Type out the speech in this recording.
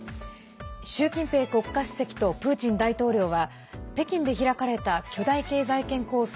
習近平国家主席とプーチン大統領は北京で開かれた巨大経済圏構想